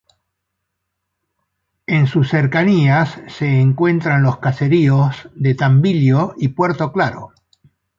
En sus cercanías se encuentran los caseríos de Tambillo y Puerto Claro.